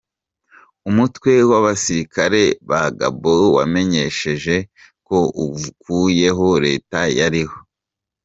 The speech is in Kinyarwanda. Umutwe w’abasirikare ba Gabon wamenyesheje ko ukuyeho leta yariho.